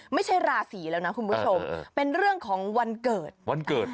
ไม่ใช่ราศีแล้วนะคุณผู้ชมเป็นเรื่องของวันเกิดวันเกิด